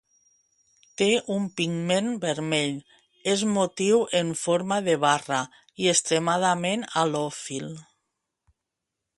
Té un pigment vermell, és motiu, en forma de barra, i extremadament halòfil.